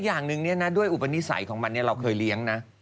อย่างหนึ่งด้วยอุปนิสัยของมันเราเคยเลี้ยงนะ